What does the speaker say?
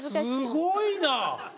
すごいな！